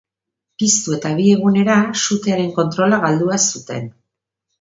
Piztu eta bi egunera, sutearen kontrola galdua zuten.